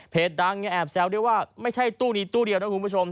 ดังยังแอบแซวด้วยว่าไม่ใช่ตู้นี้ตู้เดียวนะคุณผู้ชม